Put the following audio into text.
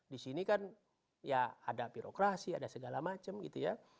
di sini kan ya ada birokrasi ada segala macam gitu ya